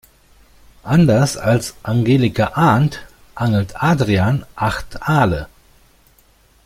Anders als Angelika Arndt angelt Adrian acht Aale.